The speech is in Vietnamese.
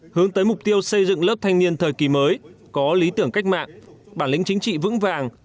hướng tới mục tiêu xây dựng lớp thanh niên thời kỳ mới có lý tưởng cách mạng bản lĩnh chính trị vững vàng